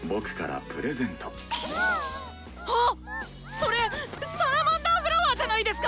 それサラマンダー・フラワーじゃないですか！